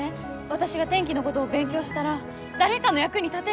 私が天気のごどを勉強したら誰かの役に立てるかな？